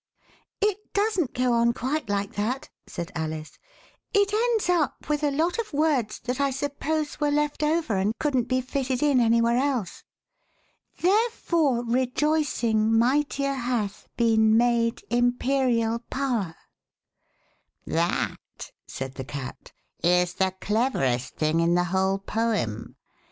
'"It doesn't go on quite like that," said Alice ; "it ends up with a lot of words that I suppose were left over and couldn't be fitted in anywhere else : Therefore rejoicing mightier hath been m^de Imperial Power'' That," said the Cat, is the cleverest thing in the whole poem.